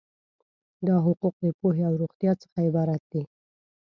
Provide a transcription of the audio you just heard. دا حقوق د پوهې او روغتیا څخه عبارت دي.